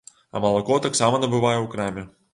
А малако таксама набывае ў краме.